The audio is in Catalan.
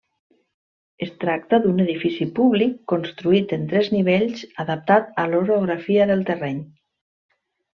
Es tracta d'un edifici públic construït en tres nivells adaptat a l'orografia del terreny.